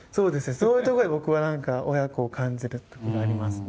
そういうとこで僕はなんか親子を感じる時がありますね